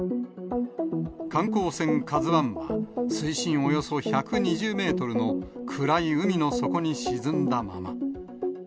観光船カズワンは、水深およそ１２０メートルの暗い海の底に沈んだまま。